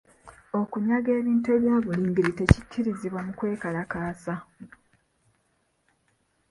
Okunyaga ebintu ebya buli ngeri tekikkirizibwa mu kwekalakaasa.